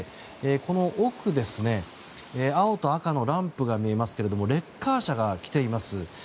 この奥青と赤のランプが見えますがレッカー車が来ています。